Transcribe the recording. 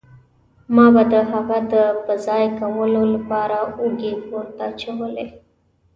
ما به د هغه د په ځای کولو له پاره اوږې پورته اچولې.